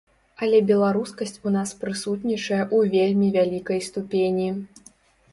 Але беларускасць у нас прысутнічае ў вельмі вялікай ступені.